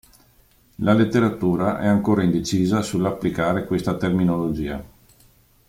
La letteratura è ancora indecisa sull'applicare questa terminologia.